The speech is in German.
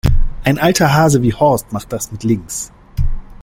Ein alter Hase wie Horst macht das mit links.